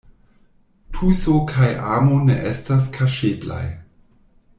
Tuso kaj amo ne estas kaŝeblaj.